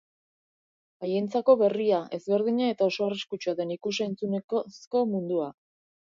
Haientzako berria, ezberdina eta oso arriskutsua den ikus-entzunezko mundua.